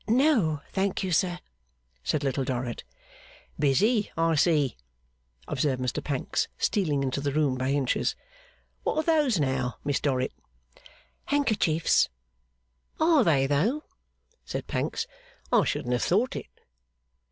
'No, thank you, sir,' said Little Dorrit. 'Busy, I see,' observed Mr Pancks, stealing into the room by inches. 'What are those now, Miss Dorrit?' 'Handkerchiefs.' 'Are they, though!' said Pancks. 'I shouldn't have thought it.